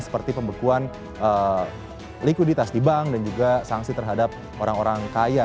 seperti pembekuan likuiditas di bank dan juga sanksi terhadap orang orang kaya